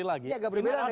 ini agak berbeda